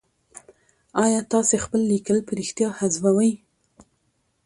آيا تاسي خپل ليکل په رښتيا حذفوئ ؟